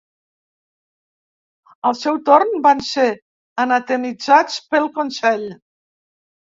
Al seu torn, van ser anatemitzats pel Consell.